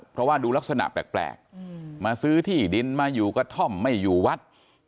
เพราะว่าดูลักษณะแปลกมาซื้อที่ดินมาอยู่กระท่อมไม่อยู่วัด